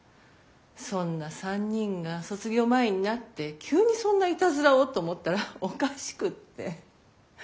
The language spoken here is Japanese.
そんな３人が卒業前になって急にそんなイタズラをと思ったらおかしくって。